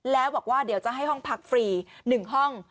แล้วบอกว่าเดี๋ยวจะให้ห้องพักฟรี๑ห้อง